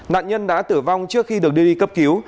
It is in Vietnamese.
nạn nhân đã tử vong trước khi được đưa đi cấp cứu